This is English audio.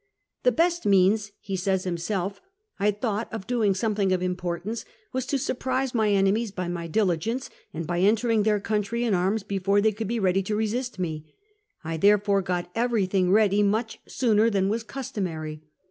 * The best means,* he says himself, 4 1 thought, of doing something of importance was to surprise my enemies by my diligence, and by entering their country in arms be fore they should be ready to resist me. I therefore got everything ready much sooner than was customary.